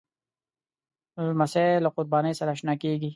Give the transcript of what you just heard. لمسی له قربانۍ سره اشنا کېږي.